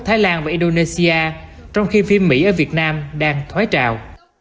thái lan và indonesia trong khi phim mỹ ở việt nam đang thoái trào